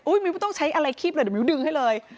ไม่ต้องใช้อะไรคลิปเลยเดี๋ยวมิ้วดึงให้เลย